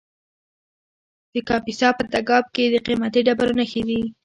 د کاپیسا په تګاب کې د قیمتي ډبرو نښې دي.